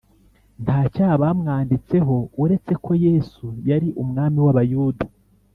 nta cyaha bamwanditseho, uretse ko yesu yari umwami w’abayuda